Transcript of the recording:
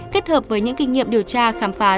kết hợp với những kinh nghiệm điều tra khám phá